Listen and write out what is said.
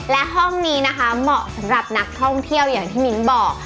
และห้องนี้นะคะเหมาะสำหรับนักท่องเที่ยวอย่างที่มิ้นบอก